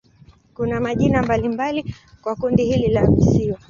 Kuna majina mbalimbali kwa kundi hili la visiwa.